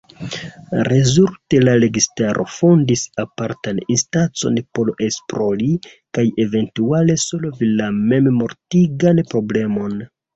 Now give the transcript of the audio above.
Rezulte la registaro fondis apartan instancon por esplori kaj eventuale solvi la memmortigan problemon.